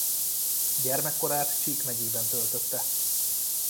Gyermekkorát Csík megyében töltötte.